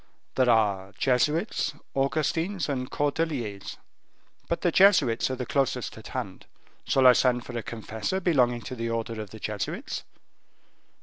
"There are Jesuits, Augustines, and Cordeliers; but the Jesuits are the closest at hand. Shall I send for a confessor belonging to the order of Jesuits?"